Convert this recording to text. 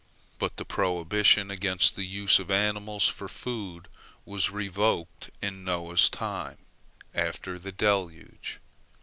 But the prohibition against the use of animals for food was revoked in Noah's time, after the deluge.